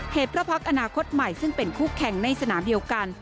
เหตุเพราะพักอนาคตใหม่ซึ่งเป็นคู่แข่งในสนามเดียวกัน